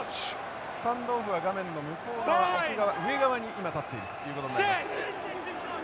スタンドオフは画面の向こう側奥側上側に今立っているということになります。